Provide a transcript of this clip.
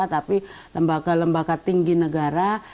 tapi lembaga lembaga tinggi negara